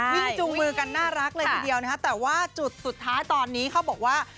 จูงมือกันน่ารักเลยทีเดียวนะคะแต่ว่าจุดสุดท้ายตอนนี้เขาบอกว่า